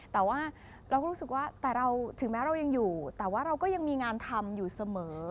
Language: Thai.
แต่ว่าเราก็รู้สึกว่าแต่เราถึงแม้เรายังอยู่แต่ว่าเราก็ยังมีงานทำอยู่เสมอ